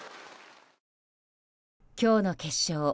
今日の決勝